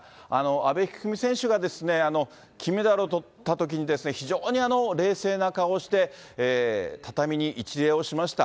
阿部一二三選手が金メダルをとったときに、非常に冷静な顔をして、畳に一礼をしました。